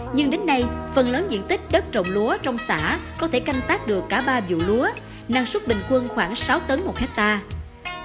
nhưng đến nay phần lớn diện tích đất trồng lúa trong xã có thể canh tác được cả ba vụ lúa năng suất bình quân khoảng sáu tấn một hectare